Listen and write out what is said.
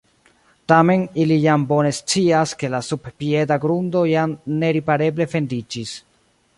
Tamen ili jam bone scias, ke la subpieda grundo jam neripareble fendiĝis.